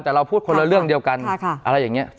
แต่เราพูดคนละเรื่องเดียวกัน